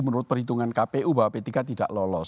menurut perhitungan kpu bahwa p tiga tidak lolos